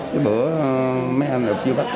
cái bữa mấy anh lộc chưa bắt